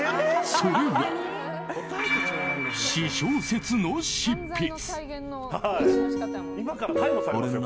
それは、私小説の執筆。